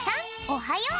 おはよう！